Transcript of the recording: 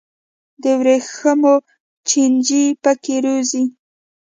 د ورېښمو چینجي پکې روزي.